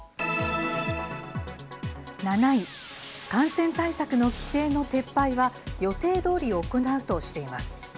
７位、感染対策の規制の撤廃は予定どおり行うとしています。